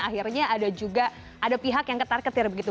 akhirnya ada juga ada pihak yang ketar ketir begitu